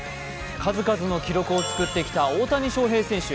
数々の記録を作ってきた大谷翔平選手。